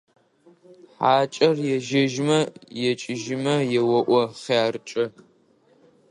ХьакӀэр ежьэжьмэ, екӀыжьымэ еоӀо: «ХъяркӀэ!».